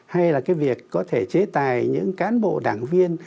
hay là cái việc có thể chế tài những cán bộ đảng viên